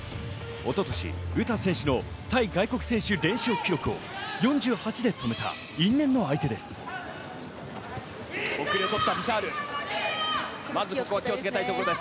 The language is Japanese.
一昨年、詩選手の対外国選手、連勝記録を４８で止めた因縁の相手です。